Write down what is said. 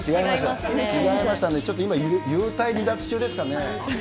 違いましたね、ちょっと今、幽体離脱中ですかね。